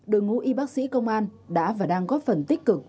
đội ngũ y bác sĩ công an đã và đang góp phần tích cực